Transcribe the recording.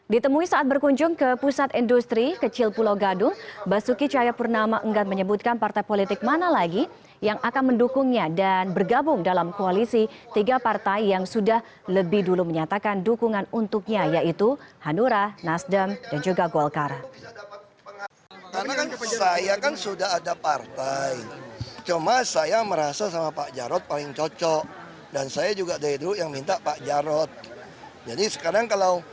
ditemui saat berkunjung ke pusat industri kecil pulau gadung basuki cahaya purnama enggan menyebutkan partai politik mana lagi yang akan mendukungnya dan bergabung dalam koalisi tiga partai yang sudah lebih dulu menyatakan dukungan untuknya yaitu hanura nasdem dan juga gualgara